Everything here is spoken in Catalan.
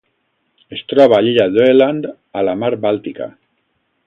Es troba a l'illa d'Öland a la Mar Bàltica.